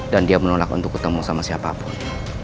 dia menolak untuk ketemu sama siapapun